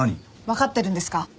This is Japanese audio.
わかってるんですか？